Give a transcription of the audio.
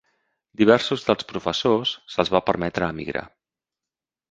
Diversos dels professors se'ls va permetre emigrar.